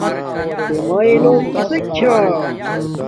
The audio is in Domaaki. تݺ مݳیݺ نݸم کِسݵک چھݳ؟